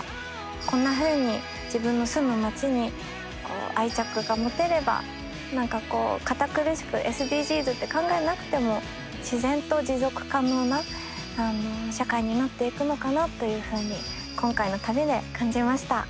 こんなふうに自分の住む町に愛着が持てれば何かこう堅苦しくＳＤＧｓって考えなくても自然と持続可能な社会になっていくのかなというふうに今回の旅で感じました。